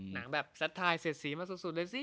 หนังแบบสัตว์ไทยเสียดสีมาสุดเลยสิ